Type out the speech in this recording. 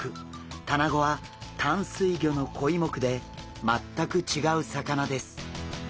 タナゴは淡水魚のコイ目で全く違う魚です。